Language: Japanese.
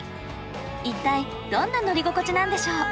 一体どんな乗り心地なんでしょう？